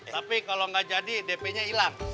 tapi kalau nggak jadi dp nya hilang